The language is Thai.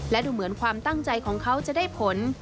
และดูเหมือนความตั้งใจของเขาจะได้ผล